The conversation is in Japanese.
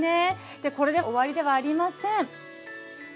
これで終わりではありません。